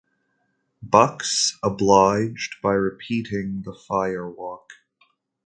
Bux obliged by repeating the fire walk.